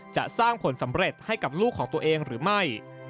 จะสร้างผลสำเร็จให้กับลูกของตัวเองหรือไม่